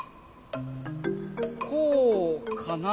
こうかな？